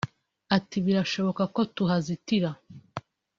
Ati “Birashoboka ko tuhazitira